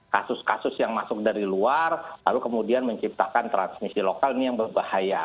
kasus kasus yang masuk dari luar lalu kemudian menciptakan transmisi lokal ini yang berbahaya